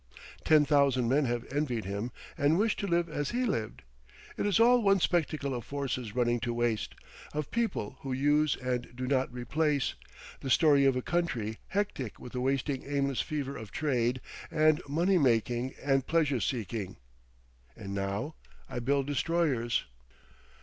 Ten thousand men have envied him and wished to live as he lived. It is all one spectacle of forces running to waste, of people who use and do not replace, the story of a country hectic with a wasting aimless fever of trade and money making and pleasure seeking. And now I build destroyers!